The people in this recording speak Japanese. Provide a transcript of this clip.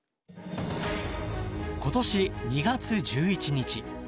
今年２月１１日。